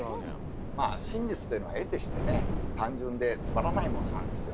まあ真実というのはえてしてね単純でつまらないものなんですよ。